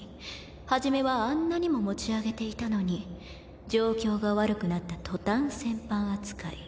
初めはあんなにも持ち上げていたのに状況が悪くなった途端戦犯扱い。